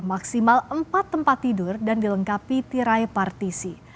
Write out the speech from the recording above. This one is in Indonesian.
maksimal empat tempat tidur dan dilengkapi tirai partisi